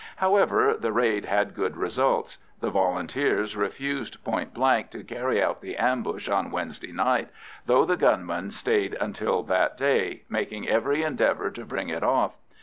However, the raid had good results; the Volunteers refused point blank to carry out the ambush on Wednesday night, though the gunmen stayed until that day, making every endeavour to bring it off.